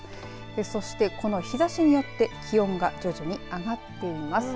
そしてこの日ざしによって気温が徐々に上がってきます。